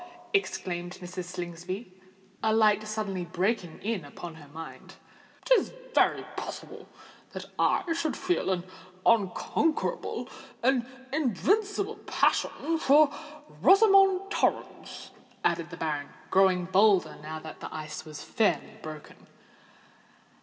exclaimed Mrs. Slingsby, a light suddenly breaking in upon her mind. "It is very possible that I should feel an unconquerable—an invincible passion for Rosamond Torrens," added the baronet, growing bolder now that the ice was fairly broken.